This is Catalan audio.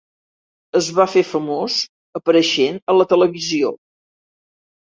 Es va fer famós apareixent a la televisió.